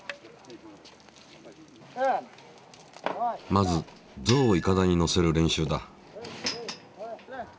まず象をいかだに乗せる練習だ。